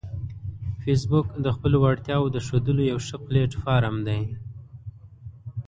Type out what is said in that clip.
فېسبوک د خپلو وړتیاوو د ښودلو یو ښه پلیټ فارم دی